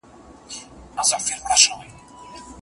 به یې واوري.